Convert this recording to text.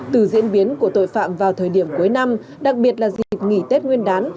từ diễn biến của tội phạm vào thời điểm cuối năm đặc biệt là dịp nghỉ tết nguyên đán